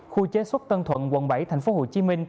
khu chế xuất tân thuận quận bảy tp hcm